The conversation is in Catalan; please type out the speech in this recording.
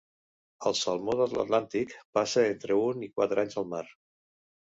El salmó de l'Atlàntic passa entre un i quatre anys al mar.